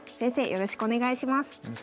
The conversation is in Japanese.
よろしくお願いします。